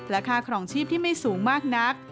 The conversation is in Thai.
ค่าครองชีพที่ไม่สูงมากนัก